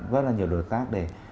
rất là nhiều đối tác để